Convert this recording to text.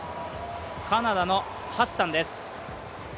カナダのハッサンです。